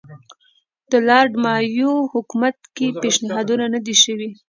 د لارډ مایو حکومت کې پېشنهادونه نه دي شوي.